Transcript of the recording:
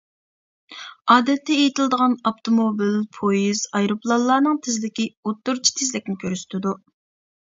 ئادەتتە ئېيتىلىدىغان ئاپتوموبىل، پويىز، ئايروپىلانلارنىڭ تېزلىكى ئوتتۇرىچە تېزلىكىنى كۆرسىتىدۇ.